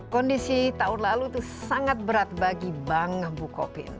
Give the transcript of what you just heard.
kondisi tahun lalu itu sangat berat bagi bank bukopin